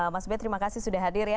mas ben terima kasih sudah hadir ya